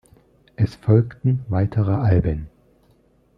Es folgten weitere Alben.